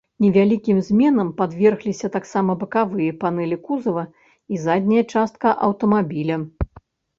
Невялікім зменам падвергліся таксама бакавыя панэлі кузава і задняя частка аўтамабіля.